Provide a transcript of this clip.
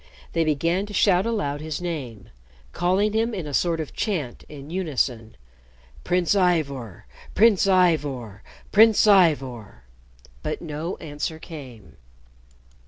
They began to shout aloud his name, calling him in a sort of chant in unison, "Prince Ivor Prince Ivor Prince Ivor!" But no answer came.